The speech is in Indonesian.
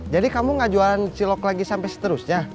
jadi kamu gak jualan cilok lagi sampe seterusnya